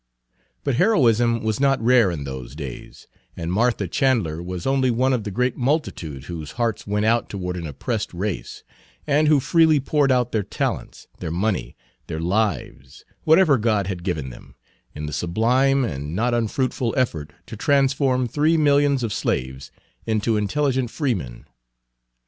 But heroism was not rare in those days, and Martha Chandler was only one of the great multitude whose hearts went out toward an oppressed race, and who freely poured out their talents, their money, their lives, whatever God had given them, in the sublime and not unfruitful effort to transform three millions of slaves into intelligent freemen.